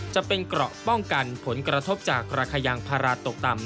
จะเป็นเกราะป้องกันผลกระทบจากราคายางพาราตกต่ำ